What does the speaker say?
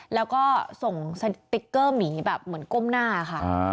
แล้วก็ส่งสติ๊กเกอร์หมีแบบเหมือนก้มหน้าค่ะ